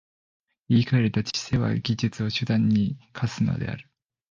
言い換えると、知性は技術を手段に化するのである。